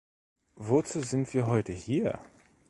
Wozu sind wir heute hier?